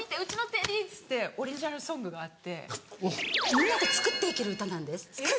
みんなで作っていける歌なんです。